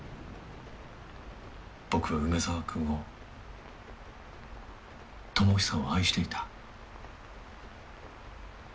僕は梅沢君を智久を愛していた。